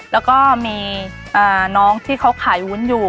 แล้วก็มีน้องที่เขาขายวุ้นอยู่